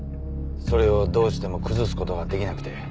それをどうしても崩すことができなくて。